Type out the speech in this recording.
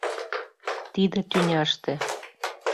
Тиде тӱняште.